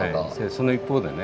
その一方でね